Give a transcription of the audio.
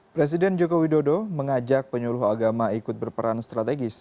presiden joko widodo mengajak penyuluh agama ikut berperan strategis